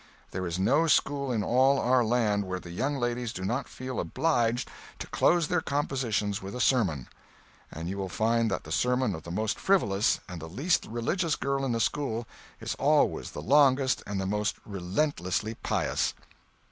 There is no school in all our land where the young ladies do not feel obliged to close their compositions with a sermon; and you will find that the sermon of the most frivolous and the least religious girl in the school is always the longest and the most relentlessly pious.